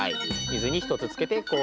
「水」に１つ付けて「氷」。